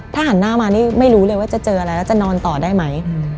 ถ้าหันหน้ามานี่ไม่รู้เลยว่าจะเจออะไรแล้วจะนอนต่อได้ไหม